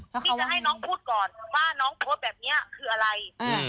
ที่จะให้น้องพูดก่อนว่าน้องโพสต์แบบนี้คืออะไร